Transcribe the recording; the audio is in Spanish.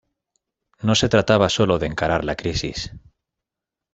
No se trataba sólo de encarar la crisis.